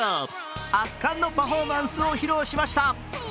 圧巻のパフォーマンスを披露しました。